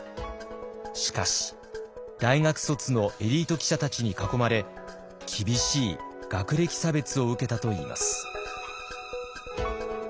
しかし大学卒のエリート記者たちに囲まれ厳しい学歴差別を受けたといいます。